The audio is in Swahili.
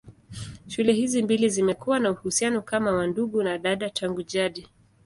Shule hizi mbili zimekuwa na uhusiano kama wa ndugu na dada tangu jadi.